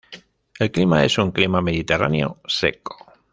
El clima es un clima mediterráneo seco.